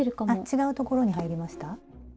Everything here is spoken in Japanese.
違うところに入りました？